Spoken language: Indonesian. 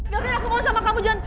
gavin aku mohon sama kamu jangan